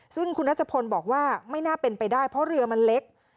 ซึ่งคุณนัชพลบอกว่าไม่น่าเป็นไปได้เพราะเรือมันเล็ก